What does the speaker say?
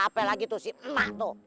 apa lagi tuh si emak tuh